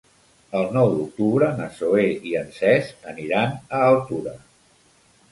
El nou d'octubre na Zoè i en Cesc aniran a Altura.